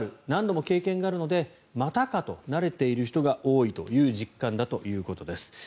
何度も経験があるのでまたかと慣れている人が多いという実感だということです。